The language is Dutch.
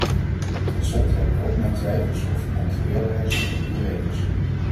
Tot slot heb ik ook mijn twijfels over de controleerbaarheid van de nieuwe regels.